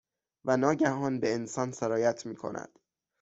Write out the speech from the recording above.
و ناگهان، به انسان سرایت میکند